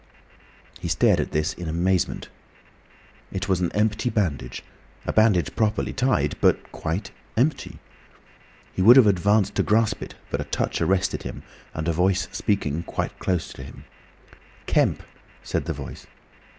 He stared at this in amazement. It was an empty bandage, a bandage properly tied but quite empty. He would have advanced to grasp it, but a touch arrested him, and a voice speaking quite close to him. "Kemp!" said the Voice.